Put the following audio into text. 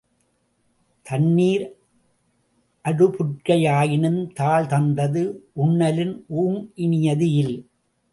தெண்ணீர் அடுபுற்கை யாயினும் தாள்தந்தது உண்ணலின் ஊங்கினியது இல்.